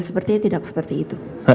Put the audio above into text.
sepertinya tidak seperti itu